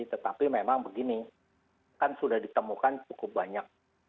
tetapi memang begini kan sudah ditemukan cukup banyak